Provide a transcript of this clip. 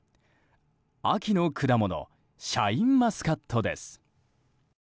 秋の果物シャインマスカットです。